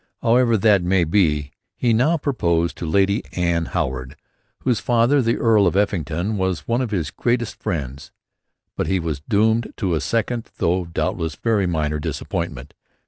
However that may be, he now proposed to Lady Anne Howard, whose father, the Earl of Effingham, was one of his greatest friends. But he was doomed to a second, though doubtless very minor, disappointment.